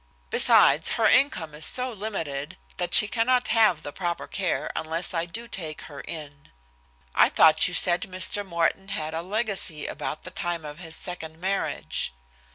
Besides her income is so limited that she cannot have the proper care unless I do take her in." "I thought you said Mr. Morten had a legacy about the time of his second marriage."